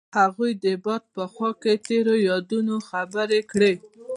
هغوی د باد په خوا کې تیرو یادونو خبرې کړې.